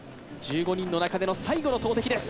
１５人の中での最後の投てきです。